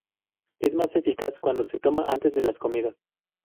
Es más eficaz cuando se toma antes de las comidas.